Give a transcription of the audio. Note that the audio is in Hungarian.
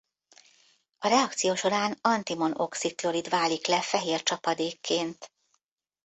A reakció során antimon-oxid-klorid válik le fehér csapadékként.